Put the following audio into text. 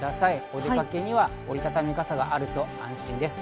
お出かけには折り畳み傘があると安心です。